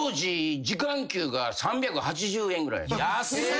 安っ！